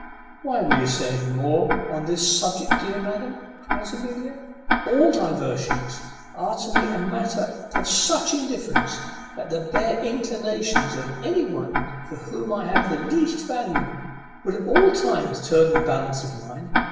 "Why will you say any more on this subject, dear madam?" cries Amelia. "All diversions are to me matters of such indifference, that the bare inclinations of any one for whom I have the least value would at all times turn the balance of mine.